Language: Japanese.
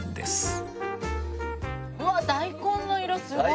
うわっ大根の色すごい！